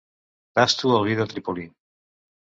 Tasto el vi de Trípoli.